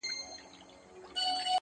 • چي عقل نه لري هیڅ نه لري -